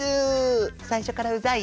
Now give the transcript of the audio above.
最初からうざい？